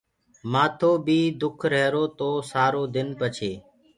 مآٿو بيٚ دُک ريهرو تو سآرو دن پڇي